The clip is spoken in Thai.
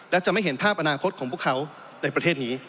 และจะไม่เห็นภาพอนาคตของพวกเขาในประเทศนี้